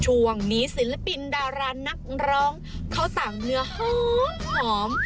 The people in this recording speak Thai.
ช่วงนี้ศิลปินดารานักร้องเขาสั่งเนื้อหอม